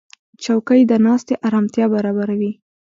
چوکۍ د ناستې آرامتیا برابروي.